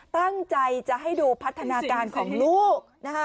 ตั้งใจจะให้ดูพัฒนาการของลูกนะคะ